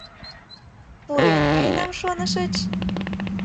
Пурен каенам, шонышыч?